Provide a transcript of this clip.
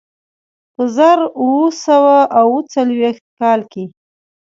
په زر اووه سوه اوه څلوېښت کال کې.